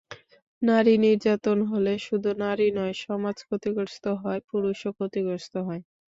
নারী নির্যাতন হলে শুধু নারী নয়, সমাজ ক্ষতিগ্রস্ত হয়, পুরুষও ক্ষতিগ্রস্ত হয়।